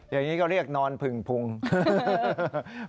อย่างนี้ก็เรียกนอนผึ่งพุง